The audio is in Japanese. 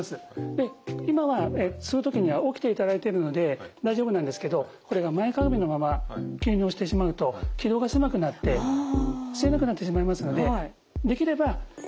で今は吸う時には起きていただいているので大丈夫なんですけどこれが前かがみのまま吸入をしてしまうと気道が狭くなって吸えなくなってしまいますのでできれば姿勢は楽な姿勢で。